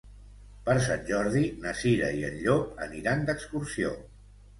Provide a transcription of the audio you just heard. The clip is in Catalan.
Per Sant Jordi na Cira i en Llop aniran d'excursió.